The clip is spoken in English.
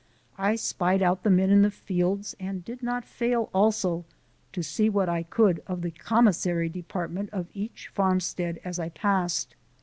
I spied out the men in the fields and did not fail, also, to see what I could of the commissary department of each farmstead as I passed.